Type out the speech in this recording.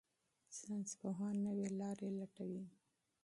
ساينسپوهان نوې لارې لټوي.